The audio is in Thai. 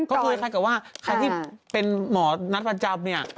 ก็คือใครก็ว่าใครที่เป็นหมอนัฐประจำ